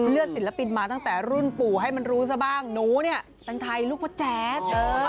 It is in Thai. ศิลปินมาตั้งแต่รุ่นปู่ให้มันรู้ซะบ้างหนูเนี่ยแต่งไทยลูกพ่อแจ๊ด